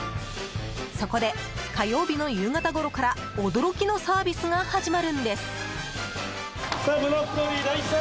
そこで火曜日の夕方ごろから驚きのサービスが始まるんです。